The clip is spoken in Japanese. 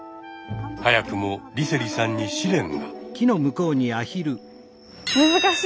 早くも梨星さんに試練が！